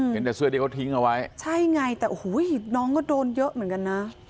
เห็นแต่เสื้อที่เขาทิ้งเอาไว้ใช่ไงแต่โอ้โหน้องก็โดนเยอะเหมือนกันนะ